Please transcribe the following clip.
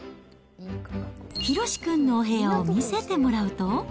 ヒロシ君のお部屋を見せてもらうと。